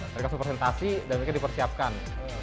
mereka supresentasi dan mereka dipersiapkan